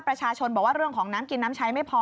ประชาชนบอกว่าเรื่องของน้ำกินน้ำใช้ไม่พอ